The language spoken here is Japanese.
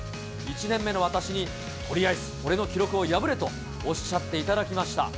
１年目の私に、とりあえず俺の記録を破れとおっしゃっていただきました。